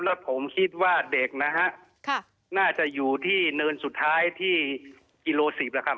แล้วผมคิดว่าเด็กนะฮะน่าจะอยู่ที่เนินสุดท้ายที่กิโล๑๐แล้วครับ